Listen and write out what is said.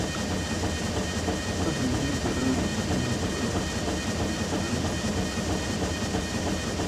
Esta solución, integrada en el denominado Corredor Cantabrico-Mediterráneo, no llegó nunca a concretarse.